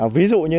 ví dụ như